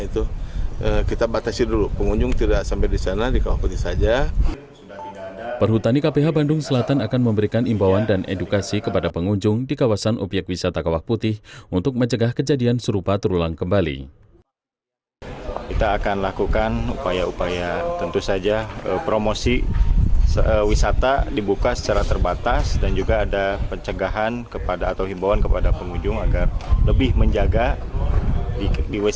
tim satgas yang terdiri dari bbbd kabupaten bandung perhutani kph bandung selatan polres bandung dan relawan menyatakan bahwa api sudah bisa dikendalikan atau sudah padam total sejak jumat malam